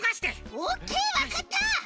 オッケーわかった！